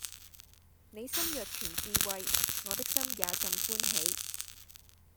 你心若存智慧，我的心也甚歡喜